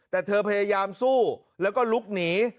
แต่เธอพยายามสู้แล้วก็ลุกหนี